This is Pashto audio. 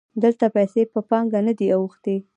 دلته پیسې په پانګه نه دي اوښتي